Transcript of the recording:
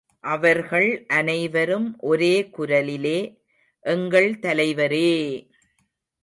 அவர்கள் அனைவரும் ஒரே குரலிலே எங்கள் தலைவரே!